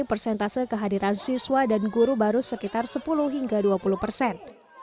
persentase kehadiran siswa dan guru baru sekitar sepuluh hingga dua puluh persen